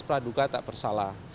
praduga tak bersalah